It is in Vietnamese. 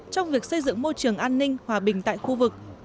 trong việc xây dựng môi trường an ninh hòa bình tại khu vực